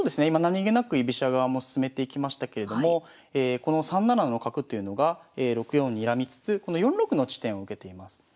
今何気なく居飛車側も進めていきましたけれどもこの３七の角というのが６四にらみつつこの４六の地点を受けています。